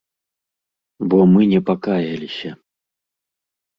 Бо мы не пакаяліся.